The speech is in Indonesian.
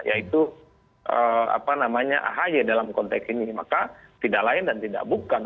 yaitu ahy dalam konteks ini maka tidak lain dan tidak bukan